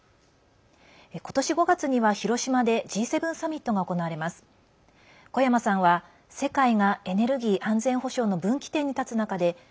今年５月には広島でＧ７サミットが行われます。